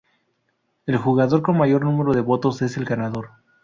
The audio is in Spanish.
El jugador con mayor número de votos es el ganador.